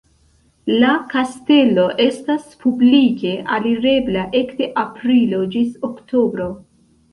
La kastelo estas publike alirebla ekde aprilo ĝis oktobro.